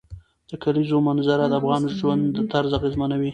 د کلیزو منظره د افغانانو د ژوند طرز اغېزمنوي.